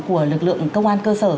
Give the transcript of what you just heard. của lực lượng công an cơ sở